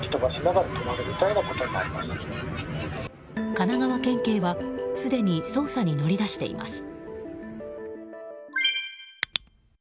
神奈川県警はすでに捜査に乗り出しています。